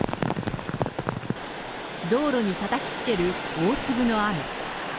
道路にたたきつける大粒の雨。